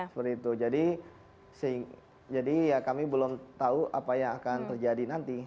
seperti itu jadi ya kami belum tahu apa yang akan terjadi nanti